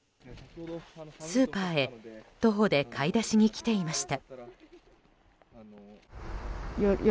スーパーへ徒歩で買い出しに来ていました。